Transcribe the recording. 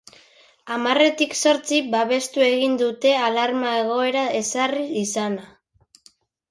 Hamarretik zortzik babestu egin dute alarma egoera ezarri izana.